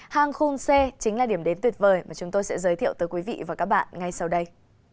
hang khôn xê chính là điểm đến tuyệt vời mà chúng tôi sẽ giới thiệu tới quý vị và các bạn ngay sau đây